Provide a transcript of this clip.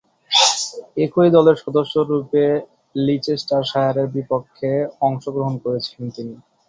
একই দলের সদস্যরূপে লিচেস্টারশায়ারের বিপক্ষে অংশগ্রহণ করেছিলেন তিনি।